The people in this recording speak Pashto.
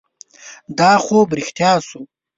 دا خوب رښتیا شو.